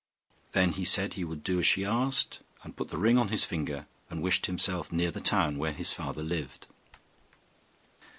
Then he said he would do what she asked, and put the ring on his finger, and wished himself near the town where his father lived.